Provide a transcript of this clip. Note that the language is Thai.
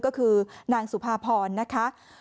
ก็คือนางสุภาพรนะคะ